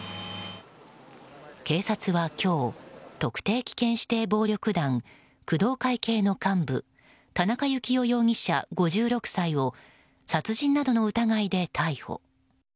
警察は今日特定危険指定暴力団工藤会系の幹部田中幸雄容疑者、５６歳を殺人などの疑いで逮捕。